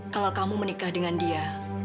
kalau kamu menikah dengan dia